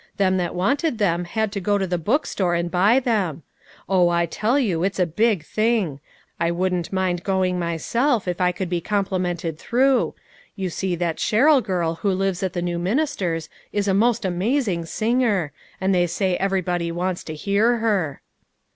Them that wanted them had to go to the book store and buy them. Oh, I tell you, it's a big thing. I wouldn't mind going myself if I could be complimented through. You see that Sher rill girl who lives at the new minister's is a most amazing singer, and they say everybody wants to hear her."